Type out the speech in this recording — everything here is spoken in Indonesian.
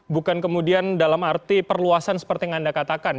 bukan kemudian dalam arti perluasan seperti yang anda katakan